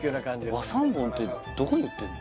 和三盆ってどこに売ってんの？